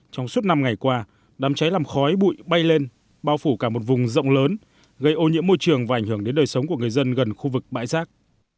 trong suốt năm ngày qua đám cháy làm khói bụi bay lên bao phủ cả một vùng rộng lớn gây ô nhiễm môi trường và ảnh hưởng đến đời sống của người dân gần khu vực bãi rác